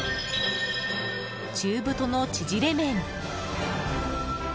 中太の縮れ麺。